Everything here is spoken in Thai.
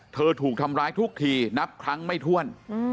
ถูกทำร้ายทุกทีนับครั้งไม่ถ้วน